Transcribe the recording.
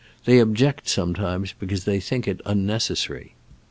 They object sometimes because they think it is unnecessary.